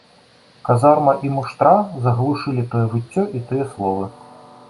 Казарма і муштра заглушылі тое выццё і тыя словы.